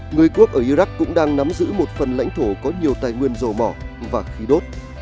người quốc ở iraq cũng đang nắm giữ một phần lãnh thổ có nhiều tài nguyên dầu mỏ và khí đốt